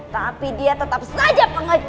tapi dia tetap saja